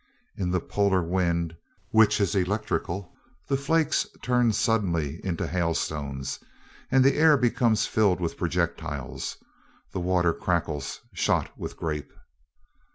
In the polar wind, which is electrical, the flakes turn suddenly into hailstones, and the air becomes filled with projectiles; the water crackles, shot with grape.